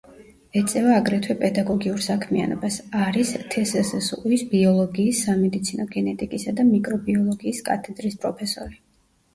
ეწევა აგრეთვე პედაგოგიურ საქმიანობას, არის თსსუ-ის ბიოლოგიის, სამედიცინო გენეტიკისა და მიკრობიოლოგიის კათედრის პროფესორი.